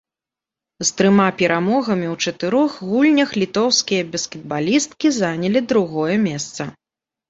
З трыма перамогамі ў чатырох гульнях літоўскія баскетбалісткі занялі другое месца.